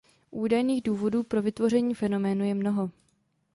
Údajných důvodů pro vytvoření fenoménu je mnoho.